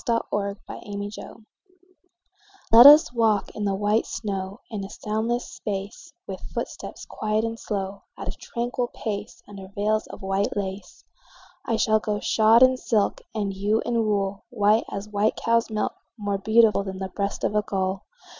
VELVET SHOES Let us walk in the white snow In a soundless space; With footsteps quiet and slow, At a tranquil pace, Under veils of white lace. I shall go shod in silk, And you in wool, White as a white cow's milk, More beautiful Than the breast of a gull.